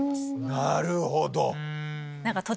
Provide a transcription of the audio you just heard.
なるほど！